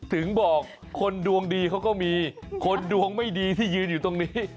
ถึงบอกคนดวงดีเขาก็มีคนดวงไม่ดีที่ยืนอยู่ตรงนี้